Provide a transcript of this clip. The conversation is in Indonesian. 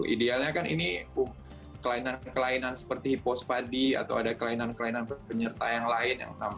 idealnya kan ini kelainan kelainan seperti hipospadi atau ada kelainan kelainan penyerta yang lain